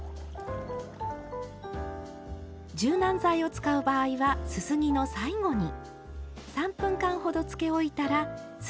柔軟剤を使う場合はすすぎの最後に。